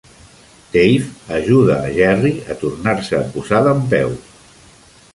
Dave ajuda a Jerry a tornar-se a posar dempeus.